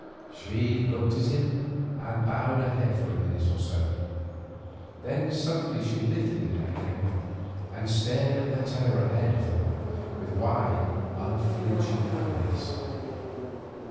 She looked at him, and bowed her head for a minute or so. Then suddenly she lifted it again and stared at the terror ahead of them with wide, unflinching eyes.